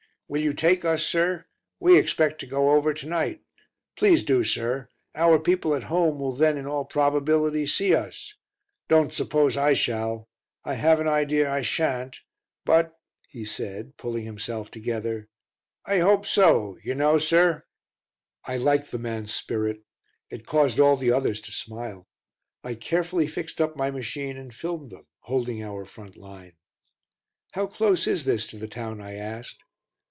"Will you take us, sir? We expect to go over to night. Please do, sir; our people at home will then in all probability see us. Don't suppose I shall. I have an idea I shan't but," he said, pulling himself together, "I hope so, yer know, sir." I liked the man's spirit. It caused all the others to smile. I carefully fixed up my machine and filmed them, holding our front line. "How close is this to the town?" I asked.